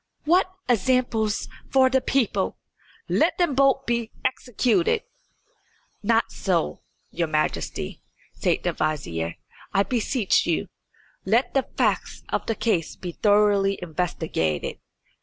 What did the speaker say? "What examples for the people! Let them both be executed." "Not so, your Majesty," said the vizier, "I beseech you. Let the facts of the case be thoroughly investigated.